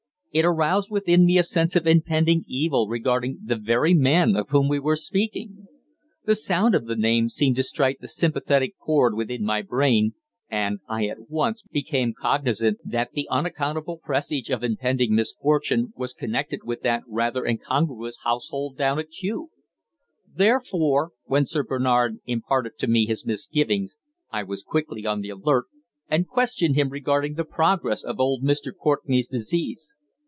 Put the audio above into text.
It aroused within me a sense of impending evil regarding the very man of whom we were speaking. The sound of the name seemed to strike the sympathetic chord within my brain, and I at once became cognisant that the unaccountable presage of impending misfortune was connected with that rather incongruous household down at Kew. Therefore, when Sir Bernard imparted to me his misgivings, I was quickly on the alert, and questioned him regarding the progress of old Mr. Courtenay's disease.